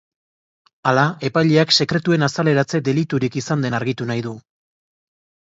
Hala, epaileak sekretuen azaleratze deliturik izan den argitu nahi du.